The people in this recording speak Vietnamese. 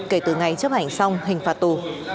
kể từ ngày chấp hành xong hình phạt tù